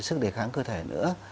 sức đề kháng cơ thể nữa